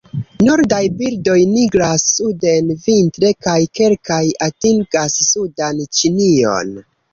Nordaj birdoj migras suden vintre kaj kelkaj atingas sudan Ĉinion.